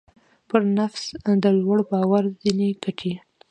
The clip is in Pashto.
پر نفس د لوړ باور ځينې ګټې.